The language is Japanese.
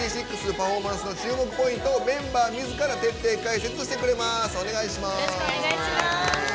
パフォーマンスの注目ポイントをメンバーみずから徹底解説してくれます。